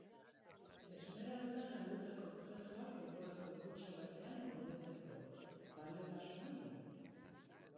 Esmeraldak galdutako objektuak egurrezko kutxa batean gordetzeko zaletasuna du.